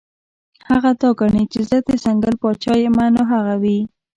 هغه دا ګڼي چې زۀ د ځنګل باچا يمه نو هغه وي -